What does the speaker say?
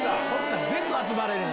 全部集まれるんだ。